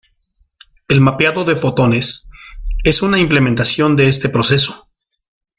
El mapeado de fotones es una implementación de este proceso.